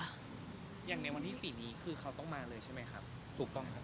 อย่างในวันที่สี่นี้คือเขาต้องมาเลยใช่ไหมครับถูกต้องครับ